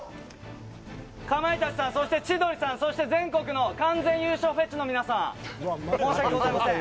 かまいたちさんそして、千鳥さん全国の完全優勝フェチの皆さん申し訳ございません。